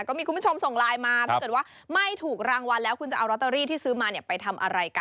คุณผู้ชมส่งไลน์มาถ้าเกิดว่าไม่ถูกรางวัลแล้วคุณจะเอาลอตเตอรี่ที่ซื้อมาเนี่ยไปทำอะไรกัน